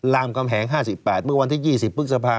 รามกำแหงห้าสิบแปดเมื่อวันที่ยี่สิบปึ๊กสภา